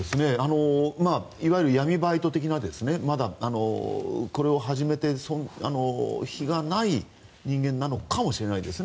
いわゆる闇バイト的なまだこれを始めて日がない人間なのかもしれないです。